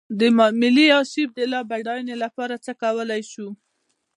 د ملي ارشیف د لا بډاینې لپاره څه کولی شو.